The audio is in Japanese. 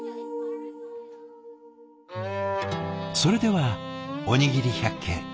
それでは「おにぎり百景」。